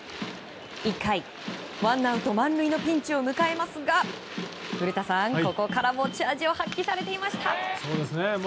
１回、ワンアウト満塁のピンチを迎えますが古田さん、ここから持ち味を発揮されていました。